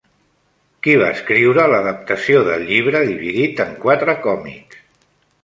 Qui va escriure l'adaptació del llibre dividit en quatre còmics?